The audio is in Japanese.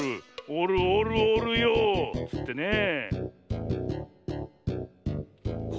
おるおるおるよっつってねえ。